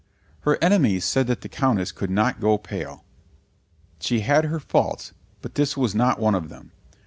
Her enemies said that the Countess could not go pale; she had her faults, but this was not one of them.